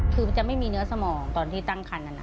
คือมันจะไม่มีเนื้อสมองตอนที่ตั้งคันนั้น